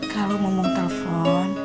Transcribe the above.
kalau mumu telepon